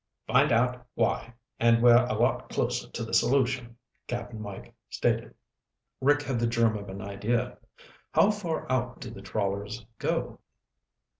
"Find out why and we're a lot closer to the solution," Cap'n Mike stated. Rick had the germ of an idea. "How far out do the trawlers go?"